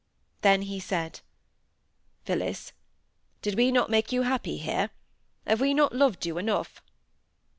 Then he said,—"Phillis! did we not make you happy here? Have we not loved you enough?"